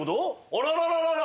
あららららら。